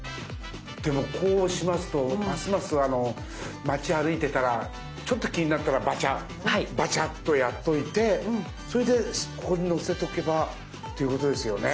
でもこうしますとますます町歩いてたらちょっと気になったらバチャッバチャッとやっといてそれでここに載せとけばということですよね。